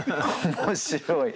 面白い。